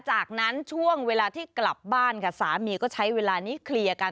จากนั้นช่วงเวลาที่กลับบ้านค่ะสามีก็ใช้เวลานี้เคลียร์กัน